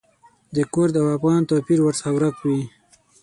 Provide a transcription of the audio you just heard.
د کرد او افغان توپیر ورڅخه ورک وي.